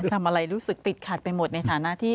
ทำอะไรรู้สึกติดขัดไปหมดในฐานะที่